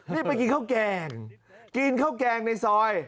นี่ไปกินข้าวแกงกินข้าวแกงในซอย